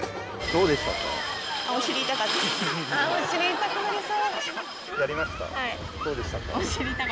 どうでした？